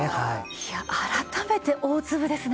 いや改めて大粒ですね。